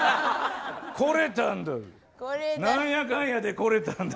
来れたんだ。